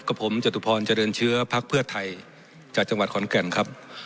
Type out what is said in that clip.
กับผมจตุพรเจริญเชื้อภักดิ์เพื่อไทยจากจังหวัดขอนแก่นครับ